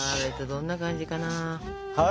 どんな感じかな。